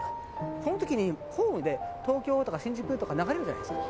その時にホームで「東京」とか「新宿」とか流れるじゃないですか。